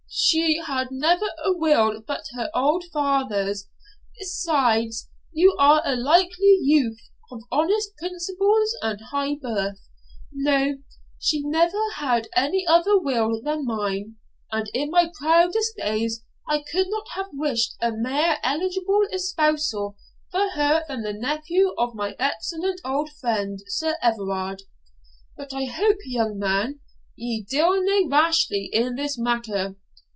'She had never a will but her old father's; besides, you are a likely youth, of honest principles and high birth; no, she never had any other will than mine, and in my proudest days I could not have wished a mair eligible espousal for her than the nephew of my excellent old friend, Sir Everard. But I hope, young man, ye deal na rashly in this matter?